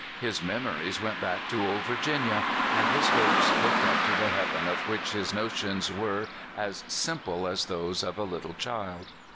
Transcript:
His memories went back to old Virginia, and his hopes looked up to the heaven of which his notions were as simple as those of a little child.